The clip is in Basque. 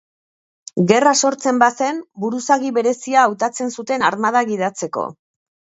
Gerra sortzen bazen, buruzagi berezia hautatzen zuten armada gidatzeko.